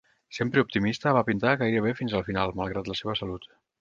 Sempre optimista, va pintar gairebé fins al final, malgrat la seva salut.